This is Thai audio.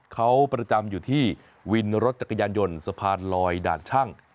เขาประจำอยู่ที่วินรถจักรยานยนต์สะพานลอยด่านช่าง